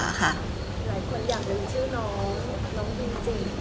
หลายคนอยากรู้ชื่อน้องน้องบินจริง